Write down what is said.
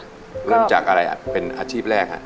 เริ่มจากอะไรเป็นอาชีพแรกฮะ